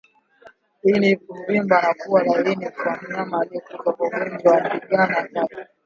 Ini huvimba na kuwa laini kwa mnyama aliyekufa kwa ugonjwa wa ndigana kali